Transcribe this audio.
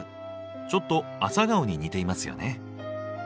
ちょっとアサガオに似ていますよね。